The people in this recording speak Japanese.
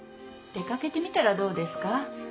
出かけてみたらどうですか？